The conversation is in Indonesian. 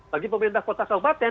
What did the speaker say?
bagi pemerintah kota kota